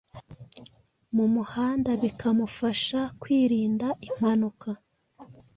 mumuhanda bikamufasha kwirinda impanuka